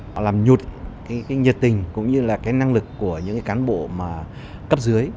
họ làm nhụt cái nhiệt tình cũng như là cái năng lực của những cán bộ cấp dưới